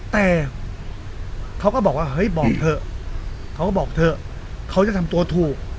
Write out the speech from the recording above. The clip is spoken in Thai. แต่เขาก็บอกว่าเฮ้ยบอกเถอะเขาก็บอกเถอะเขาจะทำตัวถูก